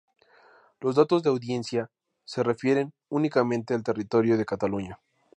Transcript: Los datos de audiencia se refieren únicamente al territorio de Cataluña.